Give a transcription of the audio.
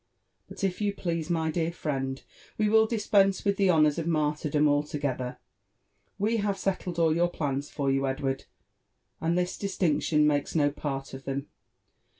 But, if you please, my dear friend, we will dispense with the honours of martyrdom altogether : we have settled all your plans for you, Edward, and this distinction makes no part of them.